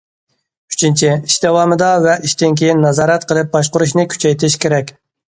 ئۈچىنچى، ئىش داۋامىدا ۋە ئىشتىن كېيىن نازارەت قىلىپ باشقۇرۇشنى كۈچەيتىش كېرەك.